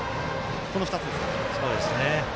この２つですね。